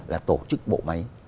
là tổ chức bộ máy